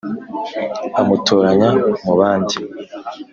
amutoranya mubandi